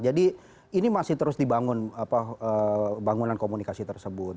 jadi ini masih terus dibangun bangunan komunikasi tersebut